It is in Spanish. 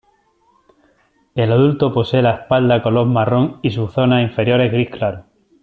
El adulto posee la espalda color marrón y sus zonas inferiores gris claro.